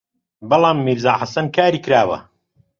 بەڵام «میرزا حەسەن» کاری کراوە